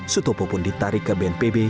sutopo pun ditarik ke bnpb